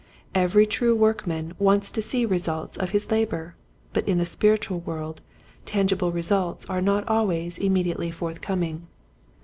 Every true work man wants to see results of his labor, but in the spiritual world tangible results are not always immediately forthcoming.